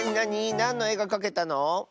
なんの「え」がかけたの？